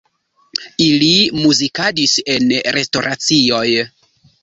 Ili muzikadis en restoracioj.